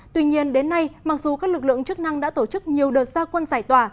tuy nhiên đến nay mặc dù các lực lượng chức năng đã tổ chức nhiều đợt gia quân giải tỏa